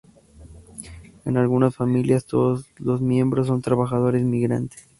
En algunas familias, todos los miembros son trabajadores migrantes.